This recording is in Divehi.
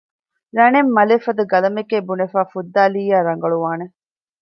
ރަނެއް މަލެއް ފަދަ ގަލަމެކޭ ބުނެފައި ފުއްދައިލިއްޔާ ރަނގަޅުވާނެ